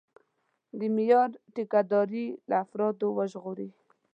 د معیار ټیکهداري له افرادو وژغوري.